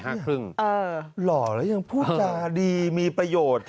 หล่อแล้วยังพูดจาดีมีประโยชน์